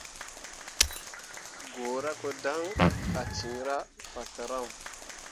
Guura ko dan ah cinra fatǝro.